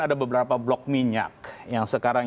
ada beberapa blok minyak yang sekarang